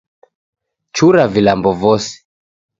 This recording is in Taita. Chura vilambo vose